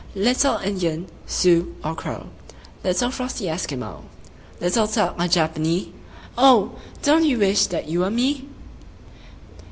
Little Indian, Sioux or Crow, Little frosty Eskimo, Little Turk or Japanee, O! don't you wish that you were me?